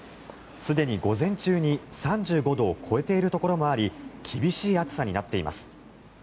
すでに午前中に３５度を超えているところもあり厳しい暑さになっています。